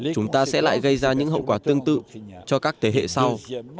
chúng ta sẽ lại gây ra những hậu quả tương tự cho các thế hệ sau